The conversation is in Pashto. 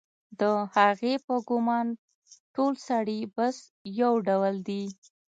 د هغې په ګومان ټول سړي بس یو ډول دي